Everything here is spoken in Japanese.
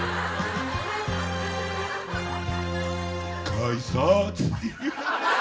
「改札」